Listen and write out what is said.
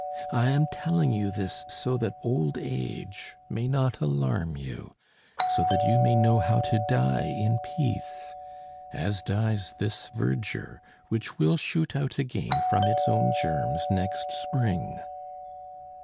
I am telling you this so that old age may not alarm you, so that you may know how to die in peace, as dies this verdure, which will shoot out again from its own germs next spring."